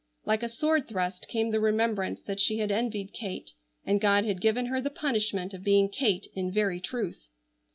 Like a sword thrust came the remembrance that she had envied Kate, and God had given her the punishment of being Kate in very truth.